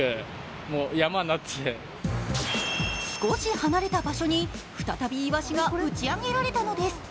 少し離れた場所に再びいわしが打ち上げられたのです。